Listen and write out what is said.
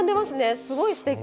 すごいすてき！